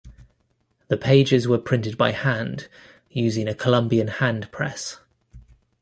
The pages were printed by hand using a Columbian hand press.